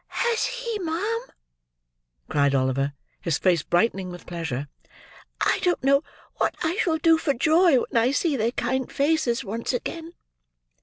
"Has he, ma'am?" cried Oliver, his face brightening with pleasure. "I don't know what I shall do for joy when I see their kind faces once again!"